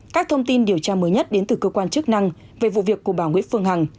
các thông tin điều tra mới nhất đến từ cơ quan chức năng về vụ việc của bà nguyễn phương hằng